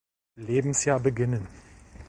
Lebensjahr beginnen.